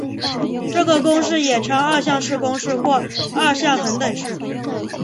这个公式也称二项式公式或二项恒等式。